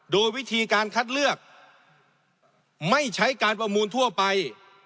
โดยวิธีการคัดเลือกไม่ใช้การประมูลทั่วไป